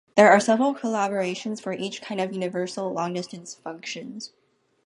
There are several collaborations for each kind of universal long-distance functions.